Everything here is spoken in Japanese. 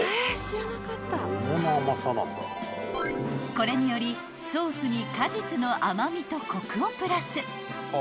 ［これによりソースに果実の甘味とコクをプラス］